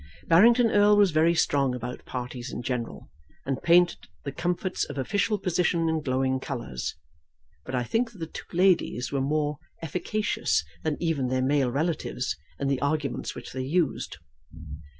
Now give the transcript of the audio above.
Barrington Erle was very strong about parties in general, and painted the comforts of official position in glowing colours. But I think that the two ladies were more efficacious than even their male relatives in the arguments which they used.